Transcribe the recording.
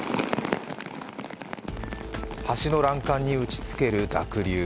橋の欄干に打ちつける濁流。